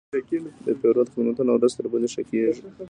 د پیرود خدمتونه ورځ تر بلې ښه کېږي.